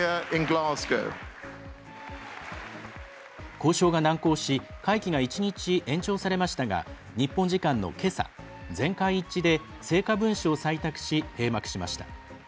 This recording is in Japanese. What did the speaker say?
交渉が難航し会期が１日延長されましたが日本時間のけさ全会一致で成果文書を採択し、閉幕しました。